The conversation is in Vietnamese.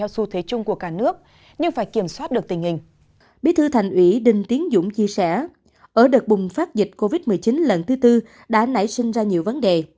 bí thư thành ủy đinh tiến dũng chia sẻ ở đợt bùng phát dịch covid một mươi chín lần thứ tư đã nảy sinh ra nhiều vấn đề